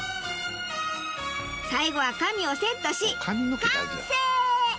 最後は髪をセットし完成！